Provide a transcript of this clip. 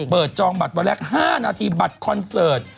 จองบัตรวันแรก๕นาทีบัตรคอนเสิร์ต